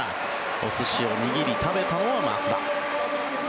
お寿司を握り食べたのは松田。